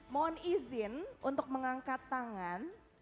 mohon izin untuk mengangkat tangan